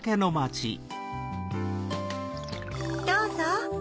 どうぞ。